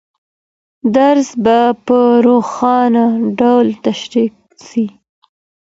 درس به په روښانه ډول تشریح سي.